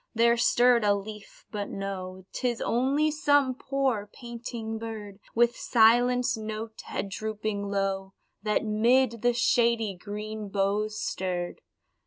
there stirred a leaf, but no, Tis only some poor, panting bird, With silenced note, head drooping low, That 'mid the shady green boughs stirred.